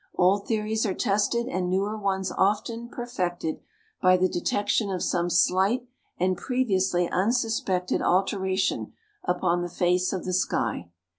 Old theories are tested and newer ones often perfected by the detection of some slight and previously unsuspected alteration upon the face of the sky.